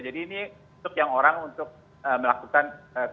jadi ini untuk yang orang untuk melakukan